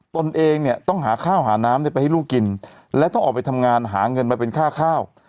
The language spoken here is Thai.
ตนเองเนี่ยต้องหาข้าวหาน้ำไปให้ลูกกินและต้องออกไปทำงานหาเงินมาเป็นค่าข้าว